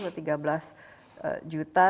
atau tiga belas juta